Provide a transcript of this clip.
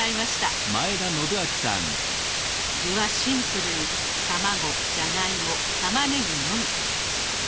具はシンプルに卵じゃがいもたまねぎのみ。